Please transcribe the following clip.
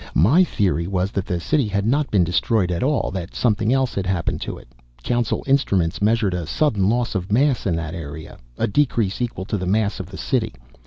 My theory was that the City had not been destroyed at all, that something else had happened to it. Council instruments measured a sudden loss of mass in that area, a decrease equal to the mass of the City.